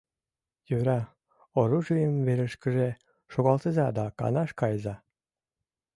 Йӧра, оружийым верышкыже шогалтыза да канаш кайыза.